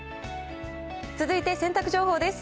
続いて洗濯情報です。